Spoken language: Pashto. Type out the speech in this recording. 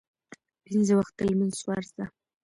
پنځه وخته لمونځ فرض ده